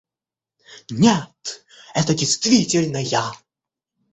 Нет, это действительно я.